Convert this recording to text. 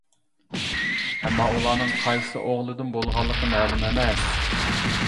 ئەمما ئۇلارنىڭ قايسى ئوغلىدىن بولغانلىقى مەلۇم ئەمەس.